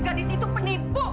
gadis itu penipu